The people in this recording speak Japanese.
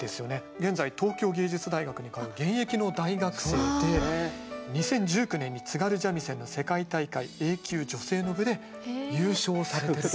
現在東京藝術大学に通う現役の大学生で２０１９年に津軽三味線の世界大会Ａ級女性の部で優勝をされてると。